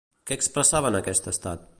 Què expressava en aquest estat?